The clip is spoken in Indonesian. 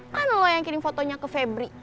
kan lo yang kirim fotonya ke febri